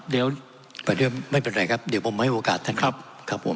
เดี๋ยวไม่เป็นไรครับเดี๋ยวผมให้โอกาสท่านครับครับผม